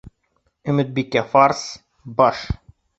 Өмөтбикә фарс., баш.